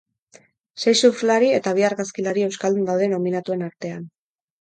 Sei surflari eta bi argazkilari euskaldun daude nominatuen artean.